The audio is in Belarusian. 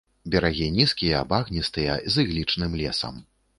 Берагі нізкія, багністыя, з іглічным лесам.